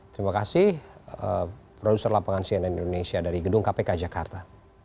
terima kasih produser lapangan cnn indonesia dari gedung kpk jakarta